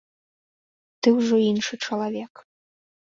Ты ўжо іншы чалавек.